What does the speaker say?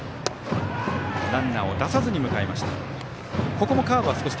ランナーを出さずに迎えました。